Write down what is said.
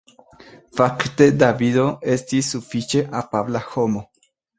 Fakte Davido estis sufiĉe afabla homo.